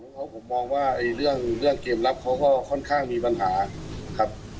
จุดอ่อนของเขาผมมองว่าเรื่องเกมรับเขาก็ค่อนข้างมีบัญหาครับ